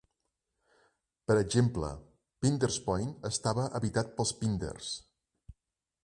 Per exemple, Pinder's Point estava habitat pels pinders.